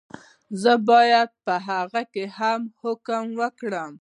زه باید په هغه هم حکم وکړم.